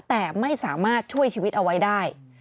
แต่ไม่สามารถช่วยชีวิตเอาไว้ได้